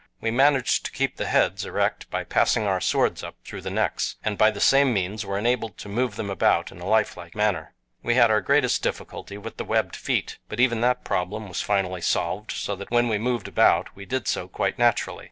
We managed to keep the heads erect by passing our swords up through the necks, and by the same means were enabled to move them about in a life like manner. We had our greatest difficulty with the webbed feet, but even that problem was finally solved, so that when we moved about we did so quite naturally.